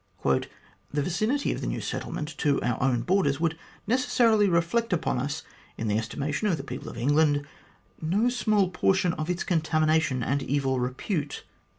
"The vicinity of the new settlement to our own borders would necessarily reflect upon us, in the estimation of the people of England, no small portion of its contamination and evil repute.